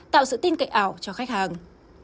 tạo sự tin cậy ảo cho khách hàng